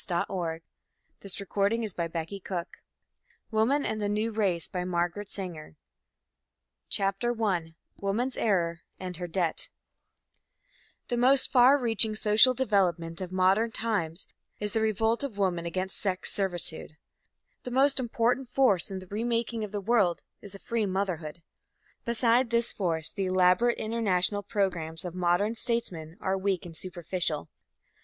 XVII PROGRESS WE HAVE MADE XVIII THE GOAL WOMAN AND THE NEW RACE CHAPTER I WOMAN'S ERROR AND HER DEBT The most far reaching social development of modern times is the revolt of woman against sex servitude. The most important force in the remaking of the world is a free motherhood. Beside this force, the elaborate international programmes of modern statesmen are weak and superficial.